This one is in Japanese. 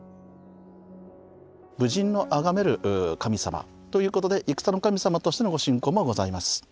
武人のあがめる神様ということで戦の神様としてのご信仰もございます。